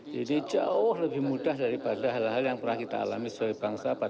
jadi jauh lebih mudah daripada hal hal yang pernah kita alami sebagai bangsa pada masa lalu